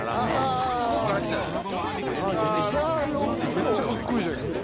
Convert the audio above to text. めっちゃかっこいいじゃないですか。